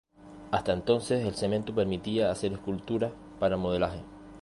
Hasta entonces el cemento permitía hacer esculturas para modelaje.